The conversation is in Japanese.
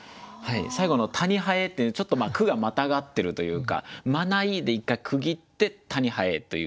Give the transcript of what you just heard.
最後の「たに蠅」ってちょっと句がまたがってるというか「まない」で１回区切って「たに蠅」という。